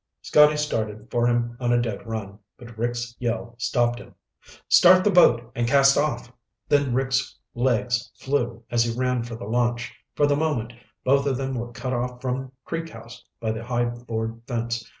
Scotty started for him on a dead run, but Rick's yell stopped him. "Start the boat and cast off!" Then Rick's legs flew as he ran for the launch. For the moment, both of them were cut off from Creek House by the high board fence.